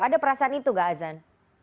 ada perasaan itu gak azan